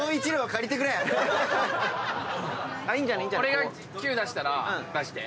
俺がキュー出したら出して。